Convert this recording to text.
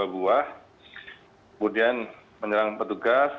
kemudian menyerang petugas